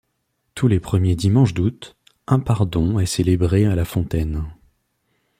Tous les premiers dimanches d'août, un pardon est célébré à la fontaine.